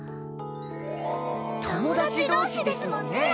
友達同士ですもんねえ。